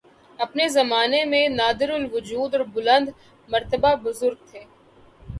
۔ اپنے زمانہ میں نادرالوجود اور بلند مرتبہ بزرگ تھے